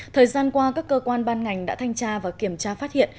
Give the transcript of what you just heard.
thời gian qua các cơ quan ban ngành đã thanh tra và kiểm tra phát hiện